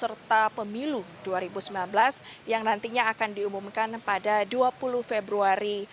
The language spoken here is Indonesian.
serta pemilu dua ribu sembilan belas yang nantinya akan diumumkan pada dua puluh februari